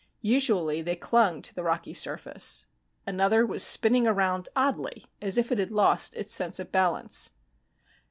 Usually they clung to the rocky surface. Another was spinning around oddly, as if it had lost its sense of balance.